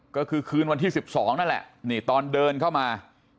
ก็คือคืนวันที่๑๒นั่นแหละนี่ตอนเดินเข้ามา